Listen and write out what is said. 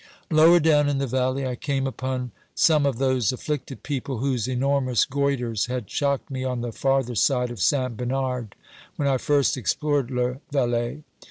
Lower down in the valley I came upon some of those afflicted people, whose enormous goitres had shocked me on the farther side of Saint Bernard, when I first explored Le Valais.